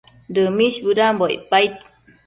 Dëmish bëdambo icpaid